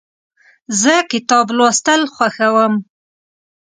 زه کتاب لوستل خوښوم.